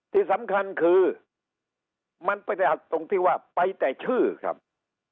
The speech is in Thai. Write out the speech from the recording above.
ที่สำคัญคือมันประหยัดตรงที่ว่าไปแต่ชื่อครับ